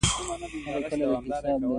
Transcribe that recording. کمونېست ګوند ټول کرنیز محصولات انحصار کړل.